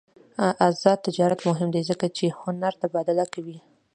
آزاد تجارت مهم دی ځکه چې هنر تبادله کوي.